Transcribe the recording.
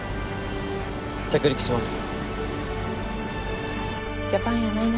着陸します。